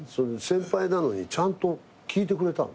先輩なのにちゃんと聞いてくれた。